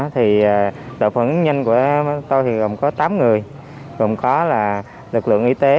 tổ phản ứng nhanh của tôi thì gồm có tám người gồm có là lực lượng y tế